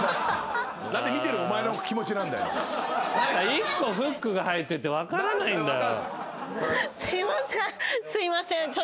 １個フックが入ってて分からないんだよ。